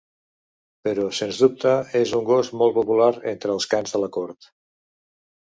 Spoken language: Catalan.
Però, sens dubte, és un gos molt popular entre els cans de la cort.